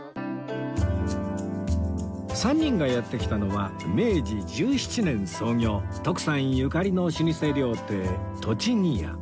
３人がやって来たのは明治１７年創業徳さんゆかりの老舗料亭栃木家